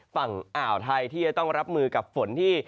ฝั่งอ่าวไทยที่จะต้องรับมือกับฝนที่